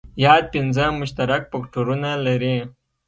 یاد پنځه مشترک فکټورونه لري.